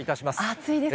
暑いですか。